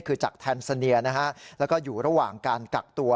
คือจากแทนซาเนียนะฮะแล้วก็อยู่ระหว่างการกักตัว